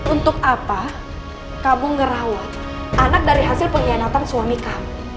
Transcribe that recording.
untuk apa kamu ngerawat anak dari hasil pengkhianatan suami kamu